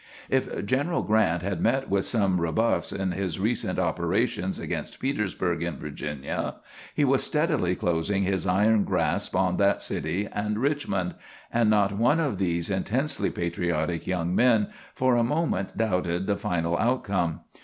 If General Grant had met with some rebuffs in his recent operations against Petersburg in Virginia, he was steadily closing his iron grasp on that city and Richmond; and not one of these intensely patriotic young men for a moment doubted the final outcome.